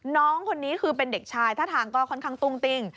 น้องคนนี้คือเป็นเด็กชายท่าทางก็ค่อนข้างตุ้งติ้ง